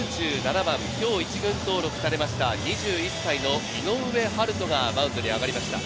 今日１軍登録されました２１歳の井上温大がマウンドに上がりました。